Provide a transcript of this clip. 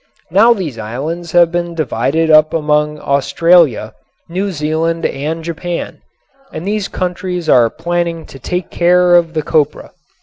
Now these islands have been divided up among Australia, New Zealand and Japan, and these countries are planning to take care of the copra.